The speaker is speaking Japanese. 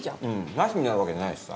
無しになるわけじゃないしさ。